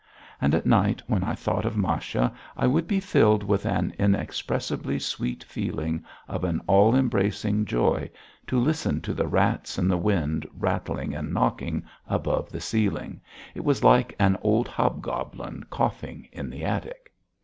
And at night when I thought of Masha I would be filled with an inexpressibly sweet feeling of an all embracing joy to listen to the rats and the wind rattling and knocking above the ceiling; it was like an old hobgoblin coughing in the attic.